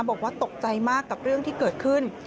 บอกว่าตกใจมากกับเรื่องที่เกิดขึ้น